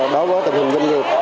đối với tình hình doanh nghiệp